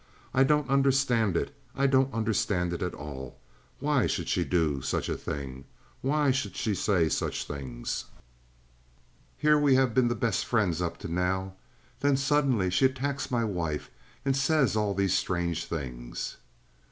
"I daunt onderstand it! I daunt onderstand it at all. Why should she do soach a thing? Why should she say soach things? Here we have been the best of friends opp to now. Then suddenly she attacks my wife and sais all these strange things."